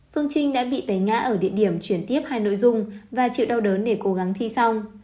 phương trinh đã bị tẩy ngã ở địa điểm chuyển tiếp hai nội dung và chịu đau đớn để cố gắng thi xong